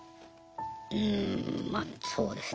うんまそうですね。